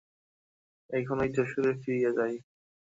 এখনই যশোহরে ফিরিয়া যাই।